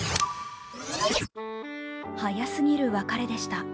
早すぎる別れでした。